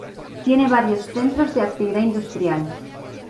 Tiene varios centros de actividad industrial.